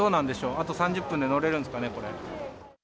あと３０分で乗れるんですかね、これ。